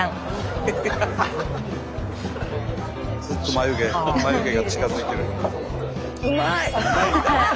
眉毛眉毛が近づいてる。